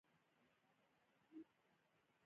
کېدی شي زه هم ورسره درشم